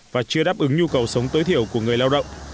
và chưa đáp ứng nhu cầu sống tối thiểu của người lao động